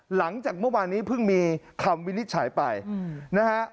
หลังจากเมื่อวานนี้เพิ่งมีคำวินิจฉัยไปนะฮะ